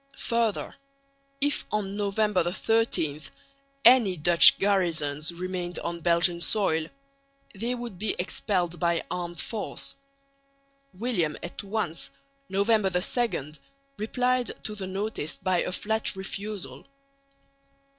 Further, if on November 13 any Dutch garrisons remained on Belgian soil, they would be expelled by armed force. William at once (November 2) replied to the notice by a flat refusal.